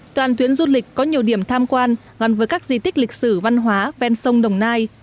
toàn tuyến du lịch có nhiều điểm tham quan gắn với các di tích lịch sử văn hóa ven sông đồng nai